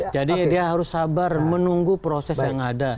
jadi dia harus sabar menunggu proses yang ada